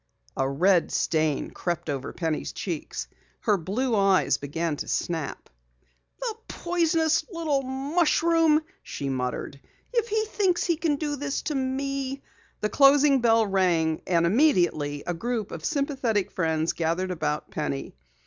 A red stain crept over Penny's cheeks. Her blue eyes began to snap. "The poisonous little mushroom!" she muttered. "If he thinks he can do this to me " The closing bell rang, and immediately a group of sympathetic friends gathered about Penny.